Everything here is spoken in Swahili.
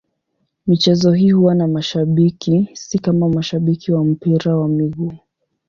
Michezo hii huwa na mashabiki, si kama mashabiki wa mpira wa miguu.